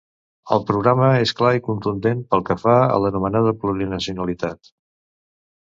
El programa és clar i contundent pel que fa a l’anomenada plurinacionalitat.